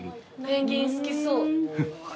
ペンギン好きそう。